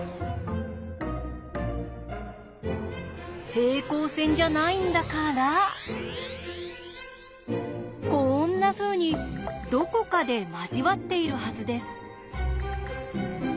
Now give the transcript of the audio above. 平行線じゃないんだからこんなふうにどこかで交わっているはずです。